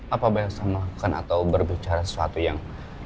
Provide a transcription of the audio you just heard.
apa ba elsa mau lakukan atau berbicara sesuatu yang